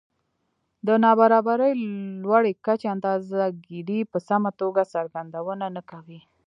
د نابرابرۍ لوړې کچې اندازه ګيرۍ په سمه توګه څرګندونه نه کوي